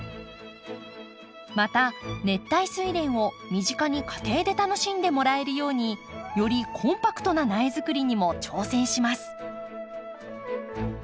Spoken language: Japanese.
また熱帯スイレンを身近に家庭で楽しんでもらえるようによりコンパクトな苗作りにも挑戦します。